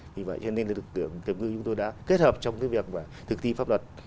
vì vậy nên lực lượng kiểm ngư chúng tôi đã kết hợp trong việc thực thi pháp luật